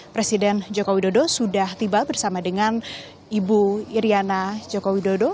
presiden joko widodo sudah tiba bersama dengan ibu iryana joko widodo